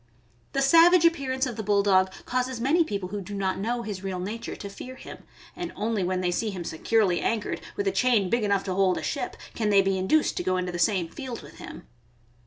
The savage appearance of the Bulldog causes many people who do not know his real nature to fear him, and only when they see him securely anchored, with a chain big enough to hold a ship, can they be induced to go into the same field with him.